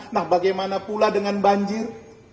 nah bagaimana pula dengan banjir